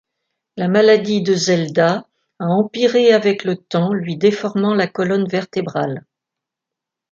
La maladie de Zelda a empiré avec le temps, lui déformant la colonne vertébrale.